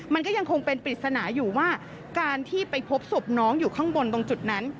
มันก็ยังคงเป็นปริศนาอยู่ว่าการที่ไปพบศพน้องอยู่ข้างบนตรงจุดนั้น